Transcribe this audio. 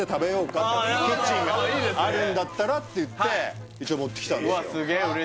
キッチンがあるんだったらっていって一応持ってきたんですようわ